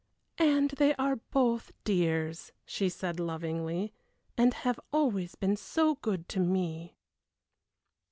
"And they are both dears," she said, lovingly, "and have always been so good to me."